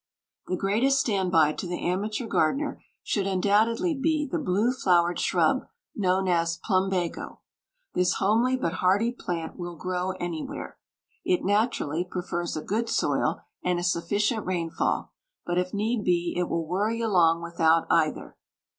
The greatest standby to the amateur gardener should undoubtedly be the blue flowered shrub known as "plumbago". This homely but hardy plant will grow anywhere. It naturally prefers a good soil, and a sufficient rainfall, but if need be it will worry along without either.